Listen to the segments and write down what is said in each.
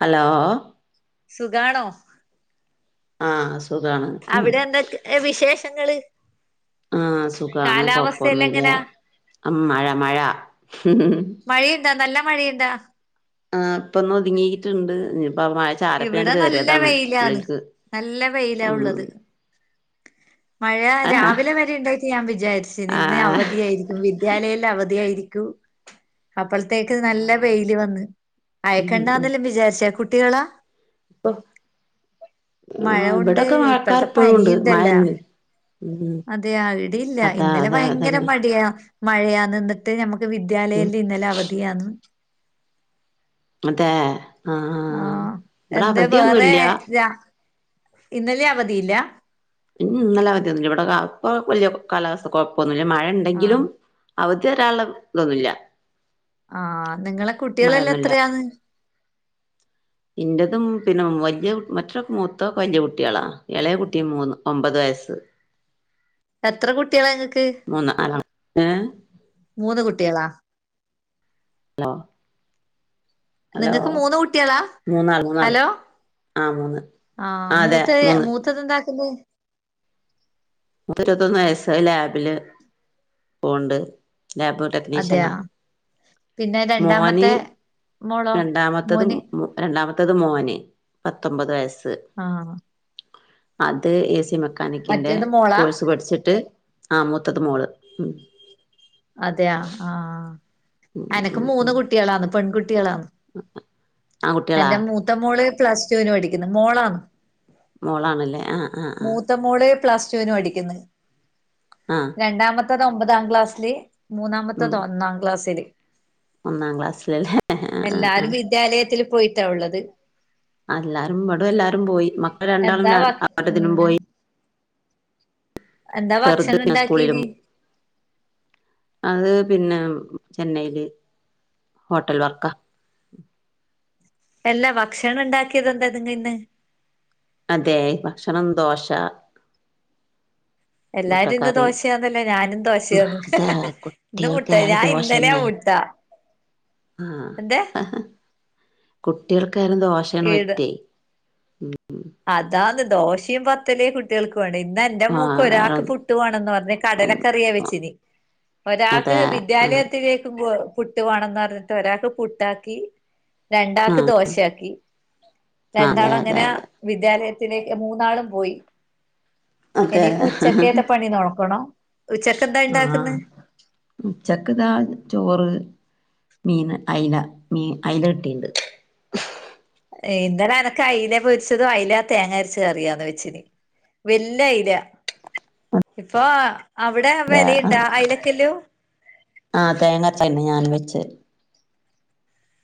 Hello സുഖാണോ? ആ സ് അവിടെന്താ വിശേഷങ്ങള് ആഹ സുഖാണ് കാലാവസ്ഥയെല്ലാം കൊഴപ്പോന്നുല്ല എങ്ങനാ ആ മഴ മഴ മഴയ്ണ്ടാ നല്ല മഴയ്ണ്ടാ? ആ, പ്പൊന്ന് ഒതുങ്ങിയിട്ട്ണ്ട്. ഇഞ്ഞ്പ്പോ ആ മഴ [unintelligible] ഇവിടെ നല്ല കേറിയതാണ് വെയിലാന്ന് ഉള്ളിൽക്ക് നല്ല വെയിലാ ഉം ഉള്ളത് മഴ ആഹ് രാവിലെ വരെ ഇണ്ടായിട്ട് ഞാൻ വിചാരിചീന്ന് ആഹ് അവധിയായിരിക്കും ഞാനെയ്ല് അവധിയായിരിക്കു അപ്പളത്തേക്ക് നല്ല ആഹ് വെയില് വന്ന്. അയക്കണ്ടാന്നെല്ലും വിചാരിച്ചെ കുട്ടികളാ. മഴ ആ കൊണ്ട് ഇവടൊക്കെ ഇപ്പോഴത്തെ മഴക്കാർപ്പോഴും ണ്ട് പനിയുണ്ടല്ലോ മായന്നെ അതെ അവിടെയില്ല ഇന്നലെ അതെ ഭയങ്കര അതന്നെ മടിയാ മഴയാ നിന്നിട്ട് ഞമ്മക്ക് ഉം വിദ്യാലയല്ല് ഇന്നലെ അവധിയാണ് അതെ അ ആ ആ ആ. വടെ എന്താ അവധിയൊന്നുല്ല. ഇന്നലിം അവധിയില്ല? ഉം ന്നലെ അവധിയൊന്നുല്ല ഇവിടെ ഇപ്പൊ വലിയ കാലാവസ്ഥ കൊഴപ്പൊന്നില്ല മഴ ആഹ് ണ്ടെങ്കിലും അവധി തരാള്ള തൊന്നുല്ല ആഹ നിങ്ങളെ കുട്ടികളെല്ലാം മഴയൊന്നുല്ല എത്രയാന്ന് ഇൻ്റതും പിന്നെ വല്ല്യ കു മറ്റ മൂത്തൊക്കെ വല്ല്യ കുട്ട്യേളാ. എളയ കുട്ടി മൂന്ന് ഒമ്പത് വയസ്സ്. എത്ര കുട്ടിയേളാ ങ്ങക്ക്? മൂന്ന് നാലാം ഏ മൂന്ന് കുട്ടിയേളാ ഹലോ നിങ്ങക്ക് മൂന്ന് കുട്ട്യാളാ? മൂന്നാൾ മൂന്നാള് ഹലോ! ആ മൂന്ന് ആഹ ആ അതെ മൂത്ത മൂന്ന് മൂത്തത് എന്താക്കുന്നു ഇരുവത്തൊന്ന് വയസ്സ് ലാബില് പോണ്ട് ടെക്നീഷ്യാന അതെയാ പിന്നെ മോന് രണ്ടാമത്തെ മോളോ രണ്ടാമത്തത് മോന് രണ്ടാമത്തേത് മോന്. പത്തൊമ്പത് വയസ്സ്. ആഹ അത് എ സി മെക്കാനിക്കിന്റെ മറ്റേത് മോളാ കോഴ്സ് പഠിച്ചിട്ട് ആ മൂത്തത് മോള് അതെയ ആഹ ഉം എനക്ക് ഉം മൂന്ന് ഉം കുട്ടികളന്ന് ആൺകുട്ടികളാ പെൺകുട്ടികളഎൻ്റെ ത്തമോള് പ്ലസ് ടുവിന് പഠിക്ക്ന്ന്. മോളാന്ന്. മോളാണല്ലേ ആഹ് ആഹ ആ മൂത്ത മോള് പ്ലസ് ടു വിന് പഠിക്കുന്ന് ആഹ രണ്ടാമത്തത് ഒമ്പതാം ക്ലാസ്സില് ഉം മൂന്നാമത്തത് ഒന്നാം ക്ലാസ്സില് ഒന്നാം ക്ലാസ്സിലല്ലേ ആ ആ ആ് എല്ലാരും വിദ്യാലയത്തിൽ പോയിട്ടാ ഉള്ളത് അല്ലാരും വടെ എല്ലാരും പോയി മക്കള രണ്ടാളും എന്താ വ ഉം എന്താ ചെറുത് ഭക്ഷണം പിന്നെ സ്കൂളിലും ഉണ്ടാക്കീന് അത് പിന്നെ ചെന്നൈൽ ഹോട്ടൽ വർക്ക എല്ലാ ഭക്ഷണം ഉണ്ടാക്കിയത് എന്താതിങ്ങ ഇന്ന് അതെ ഭക്ഷണം ദോശ എല്ലാരും ഇന്ന് മുട്ടക്കറി ദോശയാന്നല്ലേ ഞാനും ദോശയാന്ന് അതെ ഇന്ന് മുട്ട കുട്ടികൾക്കായാലും ഞാൻ ദോശ ഇന്നലെ തന്നെ മുട്ടാ എന്താ കുട്ടികൾക്കായ്ന് ദോഷാണ് ഈട് പറ്റേ അതാന്ന് ദോശയും പത്തലേ കുട്ടികൾക്ക് വേണം ഇന്ന് എന്റെ മോക്ക് ആഹ് ഒരാക്ക് പുട്ടുവാണന്ന് പറഞ്ഞ് കടലക്കറിയ വേറെ വെച്ചിന് അതെ ഒരാൾക്ക് ആ വിദ്യാലയത്തിലേക്കും പുട്ട് വേണംന്ന് പറഞ്ഞിട്ട് ഒരാൾക്ക് പുട്ടാക്കി രണ്ടാൾക്ക് ദോശയാക്കി ആ അതെ രണ്ടാള് അതെ അങ്ങനെ അതെ വിദ്യാലയത്തിലേക്ക് മൂന്നാളും പോയി അതെ ഇനിയിപ്പോ ഉച്ചക്കേത്തെ പണി നോക്കണോ ഉച്ചക്കെന്താ ഉണ്ടാക്കന്ന് ഉചക്ക്താ ചോറ് മീൻ അയ്ല മീൻ അയ്ല ഇട്ടിണ്ട് ഇന്നലെ എനക്ക് അയ്ല പൊരിച്ചതും അയല തേങ്ങ അരിച്ച കറിയാന്ന് വെച്ചന് വല്ല്യ അയ്ല ഇപ്പൊ അവിടെ വെലയിണ്ടാ അയ്ലക്കല്ലു ആഹ് തേങ്ങരച്ച ന്നെ ഞാൻ വെച്ച്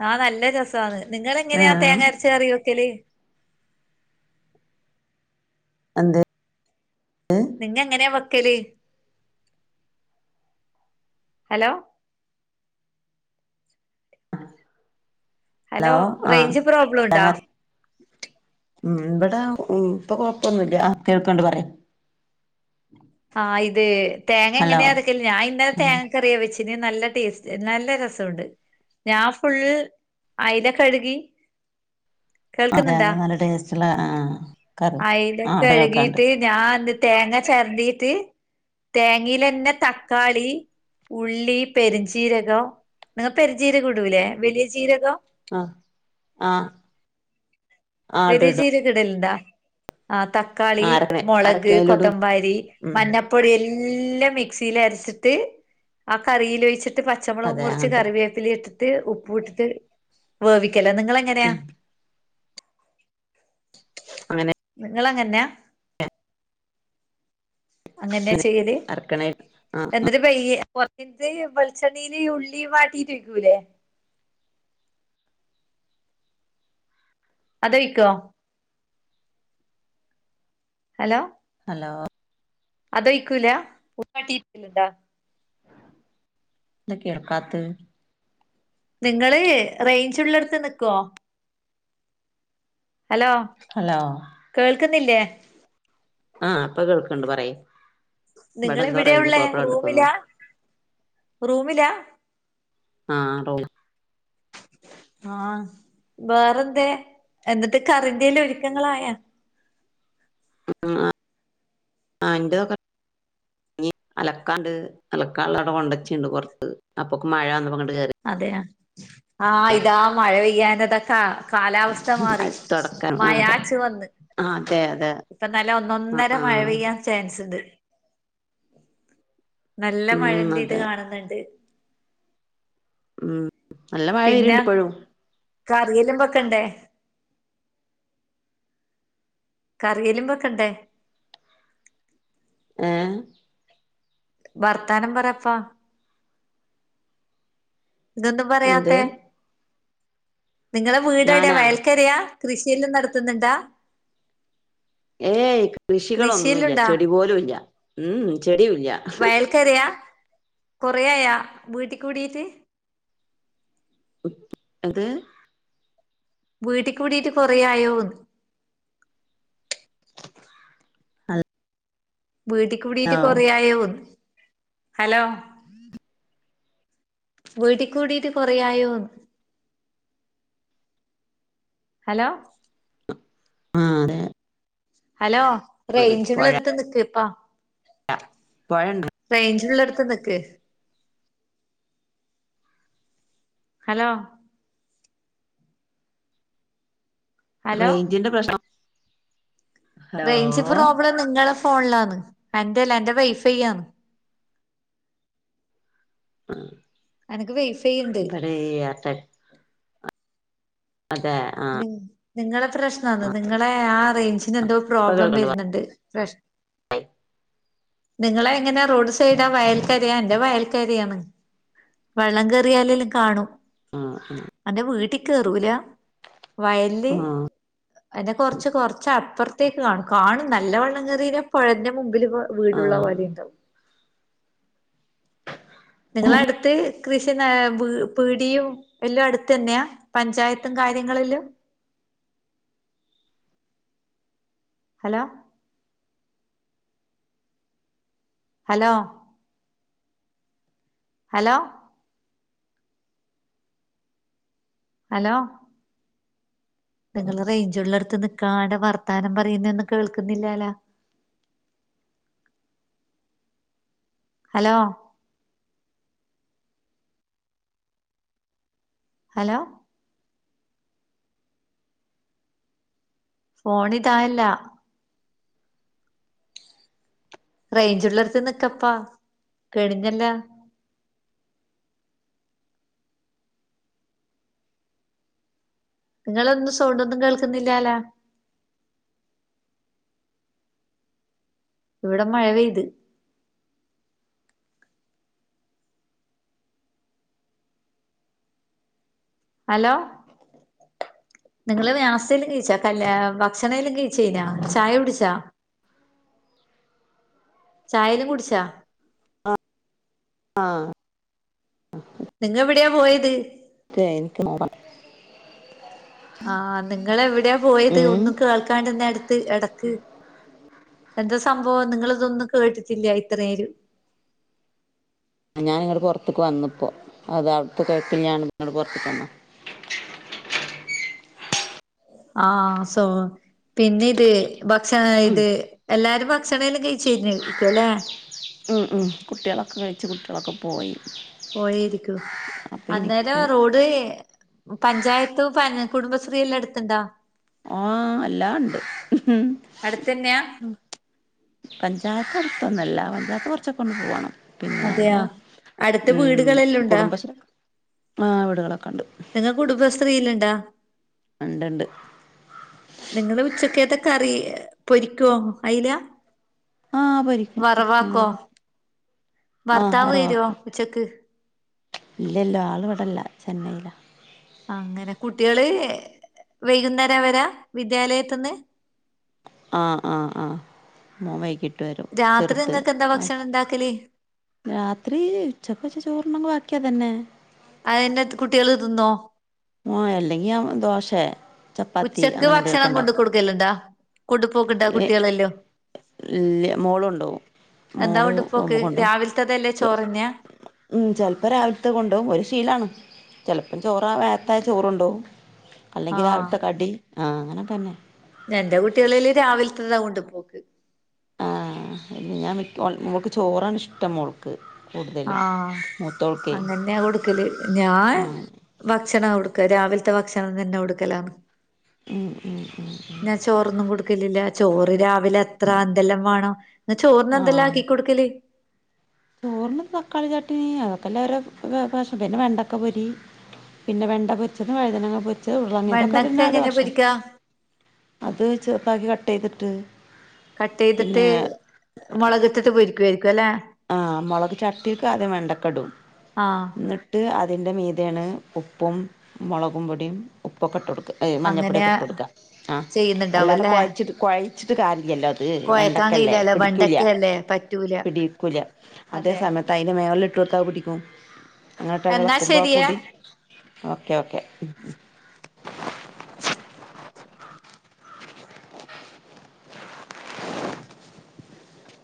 ആഹ് നല്ല രസാന്ന് നിങ്ങളെങ്ങനെയാ തേങ്ങ അരച്ച് കറിവെക്കല് അന്ത നിങ്ങള് എങ്ങനെയാ വെക്കല് ഹലോ ഹലോ ആഹ് റേഞ്ച് പ്രോബ്ലം ഉണ്ടോ ഞങ്ങ ഉം ഇവിടെ ഇപ്പൊ കൊഴപ്പൊന്നുമില്ല കേൾക്കണ്ട് പറയാം ആഹ് ഇത് തേങ്ങ ഹലോ എങ്ങനെയാ അരക്കല് ഞാൻ ഇന്നലെ ഉം തേങ്ങ കറിയ വെച്ചിന് നല്ല ടേസ്റ്റ് നല്ല രസുണ്ട് ഞാൻ ഫുള്ള് അയില കഴുകി അതെ കേൾക്കുന്നുണ്ടാ അതെ നല്ല ടേസ്റ്റുള്ള ആ കറി ആ അയലൊക്കെ അവിടെ കേൾക്കാണ്ട് കഴുകിട്ട് ഞാൻന്ത് തേങ്ങ ചരതിട്ട് തേങ്ങയിലന്നെ തക്കാളി ഉള്ളി പെരഞ്ചീരകോ നിങ്ങള് പെരഞ്ജീരക ഇടുൂലേ വലിയ ചീരകോ ആഹ് ആഹ് വെലിയ ജീരകിടലുണ്ടാ ആഹ് ത തക്കാളി ആ അരക്കണ മുളക് അരക്കണേലിടും കൊത്തമ്പാലി ഉം മഞ്ഞ പ്പൊടി എല്ലാം മിക്സിൽ അരച്ചിട്ട് ആ കറിൽ വഴിച്ചിട്ട് ത്ത് പച്ചമുളകും അതെ മുറിച്ച് അങ്ങനത്തെ കറിവേപ്പിലേ ഇട്ടിട്ട് ഉപ്പു ഇട്ടിട്ട് വേവിക്കലാ നിങ്ങളെങ്ങനെയാ ഉം അങ്ങനെ നിങ്ങള് അങ്ങനെയാ അങ്ങനെയാ ചെയ്ത് അരക്കണേ ആ എും കുറത് വെച്ചണ്ണയിൽ ഉള്ളി വാട്ടീട്ട് വക്കൂല്ലേ അതോ വിക്കോ ഹലോ ഹലോ അതൊഴിക്കൂല [unintelligible] ഇന്താ കേൾക്കാത്ത നിങ്ങള് റയ്ഞ്ച്ള്ളടുത്ത് നിക്കുവോ ഹലോ ഹലോ കേൾക്കുന്നില്ലേ ആഹ് അപ്പൊ കേൾക്കണ്ട് പറയു നിങ്ങള് ഇവിടെ ഉള്ളേ റൂമിലാ തോന്നുന്നു റൂമിലാ ആഹ് റൂം ആഹ് വേറെന്ത എന്നിട്ട് കറിന്ത്യൽ ഒരുക്കങ്ങളായൊ ഉം ആഹ് ആഹ് എന്റെൊക്കെ അലക്കാണ്ട്. അലക്കാള്ളടെ കൊണ്ടച്ചിണ്ട് പൊറത്ത്. അപ്പൊക്ക് മഴന്നപ്പോ ഇങ്ങട്ട് കേറി അതെയാ ആഹാ ഇതാ മഴ പെയ്യാന് താ കാ കാലാവസ് സ്ഥമാറി കേറി തുടക്കാൻ ആഹ് അത മയാച്ച് വന്ന് ആഹ് അതെ അതെ ഇപ്പം നല്ല ഒന്നൊന്നര മഴ ആഹ് പെയ്യാൻ ചാൻസ്ണ്ട്. നല്ല ഉം മഴന്റെ ഇത് അതെ കാണ്ന്ന്ണ്ട്. ഹും പിന്നെ കറിയെല്ലാം വക്കണ്ടേ കറിയലും ബെക്കണ്ടേ? ഏഹ വർത്താനം പറയപ്പാ ന്തഒന്നും എന്ത് പറയാത്തേ? നിങ്ങളെ വീട് ടെയാ ഞാനാ വയൽക്കരയാ കൃഷിയെല്ലാം നടത്തുന്ന്ണ്ടാ? ഏയ് കൃഷികളൊന്നുല്ല്യ കൃഷിയെല്ലുണ്ടാ ചെടി പോലും ഇല്ല ഉം ചെടിയുല്യ കേറിയ കൊറെയാ വീട്ട് കൂടിട്ട് [unintelligible] അത് വീട്ടി കൂടിട്ട് കുറയായോന്ന് [inaudible] അത് വീട്ടി കൂടീട്ട് കൊറേയോ ഹലോ? [unintelligible] വീട്ടി കൂടിട്ട് കുറെയായോന്ന്. ഹലോ ആഹാ അതെ ഹലോ റേയ്ഞ്ച്ള്ളട്ത്ത് നിക്ക് പ്പാ [unintelligible] പൊഴണ്ടോ? റേഞ്ചുള്ളടത്ത് നിക്ക് ഹലോ? ഹലോ റേയ്ഞ്ചിന്റെ പ്രശ്ന റേഞ്ച് പ്രോബ്ലം നിങ്ങളെ ഫോൺ ലാന്ന് എന്റെല്ല എന്റെ വൈഫൈ ആന്ന്. എനക്ക് വൈഫൈ ഇണ്ട് [unintelligible] അതെഹേ നി നിങ്ങളെ പ്രശ്നാന്ന് നിങ്ങളെ ആ റേഞ്ചിന് എന്തോ പ്രോബ്ലം അട്ടപ്പകളുണ്ട് വരുന്നുണ്ട്. പ്രശ് [inaudible] നിങ്ങളെ എങ്ങനാ റോഡ് സൈഡാ വയൽക്കരയാ എന്റെ വയൽക്കരയാണ് വെള്ളം കേറിയാലെല്ലകാണും. ആഹാ അഹ് അന്റെ വീട്ടി കേറൂല വയലിലെ ആഹ് എന്റെ കൊറച്ച് കുറച്ചപ്പറ്ത്തേക്ക് കാണും. കാണും നല്ല വള്ളം കേറീനാ പുഴന്റെ മുമ്പില് പോ വീടുള്ള ആഹ് പോലെ ണ്ടാവും [inaudible] നിങ്ങള അടുത്ത്. കൃഷിനാ പ് പീടിയും എല്ലാം അടുത്ത്ന്നെയാ പഞ്ചായത്തും കാര്യങ്ങളെല്ലും ഹലോ? ഹലോ? ഹലോ? ഹലോ? നിങ്ങള് റേയ്ഞ്ച് ഉള്ളടുത്ത് നിക്കാണ്ട വർത്താനം പറയുന്ന ഒന്നും കേൾക്കുന്നില്ലലാ ഹലോ? ഹലോ ഫോണ് തായല്ലാ റേഞ്ചുള്ളടത്ത് നിക്കപ്പാ കെണിഞ്ഞല്ലാ നിങ്ങളൊന്നും സൗണ്ടൊന്നും കേൾക്കുന്നില്ലലാ. ഇവിടെ മഴ പെയ്ത് അലോ. നിങ്ങള് നാസ്ത്തെല്ലോം കഴിച്ചാ കല ഭക്ഷണേലും കഴിച്ചയിഞ്ഞാ ചായ കുടിച്ചാ. ചായല്ലൊ കുടിച്ചാ ആഹ് നിങ്ങ എവിടെയാ പോയത് അതേ നിക്ക് നോമ്പണ്. ആഹ് നിങ്ങളെവിടെയാ പോയത് ഉം ഒന്നും കേൾക്കാണ്ടിന്നേ അടത്ത് ഇടക്ക്. എന്ത സംഭവം നിങ്ങളതൊന്നും കേട്ടിട്ടില്ല ഇത്രേനേരോം. ഞാന ഇങ്ങടെ പെറത്തക്ക് വന്നിപ്പോ അത് അവിടുത്ത കേക്കണില്ല [unintelligible] പൊർത്തുക്ക് വന്ന്. ആഹ് സൗ പിന്നിത് ഭക്ഷണ ഉം ഇത് എല്ലാരും ഭക്ഷണേലും കഴിച്ച കയിഞ്ഞരിക്കുല്ലേ ഉം ഉം കുട്ട്യോളൊക്കെ കഴിച്ച് കുട്ട്യേളൊക്കെ പോയി. പോയരിക്കൂ അപ്പൊ അന്നേരം എനിക്ക് റോഡ്. പഞ്ചായത്തു കുടുംബശ്രീ എല്ലാം അടുത്തുണ്ടാ. ആഹ് എല്ലാ ഇണ്ട്. അടുത്തന്നെയാ പഞ്ചായത്ത് അടുത്തൊന്നല്ല പഞ്ചായത്ത് കുറച്ചൊക്കെവിടന്ന് പോവണം. പിന്നെ അതെയാ ഞങ്ങളെ അടുത്ത വീടുകളെല്ലാം ഉം ഉണ്ടാ [unintelligible] വീടുകളൊക്കെണ്ട്. നിങ്ങ കുടുംബശ്രീലിണ്ടോ. ഇണ്ട്ണ്ട് നിങ്ങള് ഉച്ചക്കത്തക്കറി പൊരിക്കോ അയില. ആഹ് പൊരിക്കു. വറവാക്കോ. ആഹ് ഭർത്താവ് വരുവോ ഉച്ചക്ക് ഇല്ലില്ല ആള് ഇവിടല്ല ചെന്നൈയില അങ്ങനെ കുട്ട്യള് വൈകുന്നേര വരാ വിദ്യാലത്തിന്ന്. ആഹ് ആഹ് ആഹ് മോൻ വൈകീട്ട് വരും ചെറുത്. എന്താക്കല്. രാത്രി ഉച്ചക്കത്തെ ചോർ ണ്ടെങ്കില് ബാക്കിയതന്നെ. അയന്നെ കുട്ട്യള് തിന്നോ. ഓ അല്ലെങ്കി ദോശ ചപ്പാത്തി അങ്ങനെ എന്തെങ്കിലൊക്കെ ഇണ്ടാക്കും. കലണ്ട കൊണ്ടുപോക്ക്ണ്ടാ കുട്ടേളെല്ലൊ ഇല്ല മോളോണ്ടോവും എന്താ കൊണ്ടുപോക്ക് രാവിൽത്തതല്ലേ ചോ ചോറെന്നെയാ ഉം ചെൽപ്പോ രാവിലത്തെ കൊണ്ടോവും ഒരു ശീലാണ്. ചെൽപ്പം ചോറ നേരത്തായ ചോറണ്ടോവും അല്ലെങ്കി ആഹ് രാവിൽത്തെ കടി ആഹ് അങ്ങനൊക്കെന്നെ ഞാൻ എന്റെ കുട്ടികളില് രാവിൽത്തതാ കൊണ്ട് പോക്ക്. ആഹ് ഞാൻ [unintelligible] മോൾക്ക് ചോറാണ് ഇഷ്ടം മോൾക്ക്. കൂടുതലും ആഹ് മൂത്തോൾക്കേ അങ്ങന്നെയാ കൊടുക്കല് ഞാൻ. ആഹ് ഭക്ഷണകൊടുക്ക രാവിൽത്തെ ഭക്ഷണ തന്നെ കൊടുക്കലാന്ന്. ഉം ഉം ഉം. ചോറൊന്നും കൊടുക്കലില്ല ചോറ് രാവിലെ എത്ര എന്തെല്ലാ വേണൊ നിങ്ങ ചോറിനെന്തെല്ലാം ആക്കി കൊടുക്കല്. ചോറ്‌ന് തക്കാളിചാട്നി അതൊക്കെല്ലരു അവരുടെ പാഷൻ പിന്നെ വെണ്ടക്ക പൊരി പിന്നെ വെണ്ടപൊരിച്ചതും വഴുതനങ്ങപൊരിച്ചത് ഉരുളങ്ങയതൊക്കെ വെണ്ടക്ക തന്നെ അവരുടെ എങ്ങനെയാ ഭക്ഷ പൊരിക്കാ അത് ചെറുതാക്കി കട്ട് ചെയ്തിട്ട്. കട്ടയ്തിട്ട് പിന്നെ മുളകിട്ട്ട്ട് പൊരിക്കുവായിരിക്കും അല്ലെ. ആഹ് മുളക് ചട്ടിക്ക് ആദ്യം വെണ്ടക്കഇടും ആഹ് ന്നട്ട് ഇട്ട് അതിൻ്റെ മീതെണ് ഉപ്പും മുളകും പൊടിയും ഉപ്പൊക്കെ ഇട്ട് കൊടുക്കുക. ഏഹ് മഞ്ഞൾപ്പൊടിയൊക്കെ ഇട്ട് അങ്ങനെയാ കൊടുക്കുക ആഹ് ചെയ്യുന്നുണ്ടാവും അല്ലാതെ അല്ലേ? കൊഴച്ചിട്ട് കൊഴച്ചിട്ട് കാര്യല്ലല്ലോ അത് ഇഹ് കൊഴക്കാൻ വെണ്ടക്കല്ലേ കഴിയില്ലല്ലോ പിടിക്കൂല്ല്യ വെണ്ടക്കയല്ലേ പറ്റൂല പിടി ക്കുല്ല അതേ അതെ സമയത്ത് അതിന്റെ മേളിലിട്ട് കൊടുത്താ അത് പിടിക്കും. എന്നാ അങ്ങനെട്ടതെളക്കുമ്പ ശരിയേ പൊടി ഓക്കെ ഓക്കെ